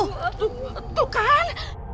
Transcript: tuh tuh kan